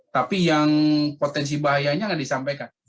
tapi yang potensi bahayanya nggak disampaikan